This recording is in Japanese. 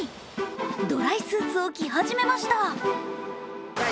ドライスーツを着始めました。